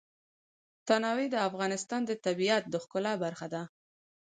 تنوع د افغانستان د طبیعت د ښکلا برخه ده.